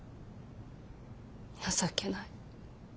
情けない。